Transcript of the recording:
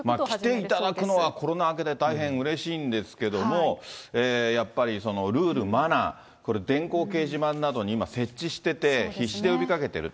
来ていただくのは、コロナ明けで大変うれしいんですけども、やっぱりルール、マナー、これ電光掲示板などに今、設置してて、必死で呼びかけてると。